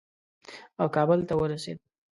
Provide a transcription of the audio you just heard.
او کابل ته ورسېد.